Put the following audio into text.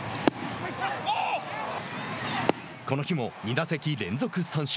この日も２打席連続三振。